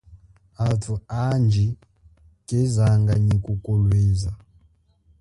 Athu andji kezanga nyi kukulweza.